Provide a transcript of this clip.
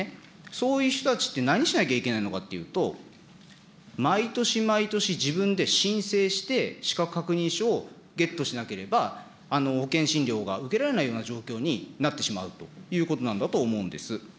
そういう人たちって、何しなきゃいけないのかっていうと、毎年毎年、自分で申請して、資格確認証をゲットしなければ、保険診療が受けられないような状況になってしまうということなんだと思うんです。